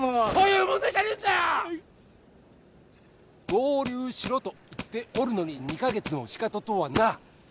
合流しろと言っておるのに２カ月もシカトとはな。